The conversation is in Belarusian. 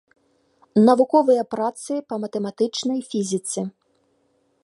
Навуковыя працы па матэматычнай фізіцы.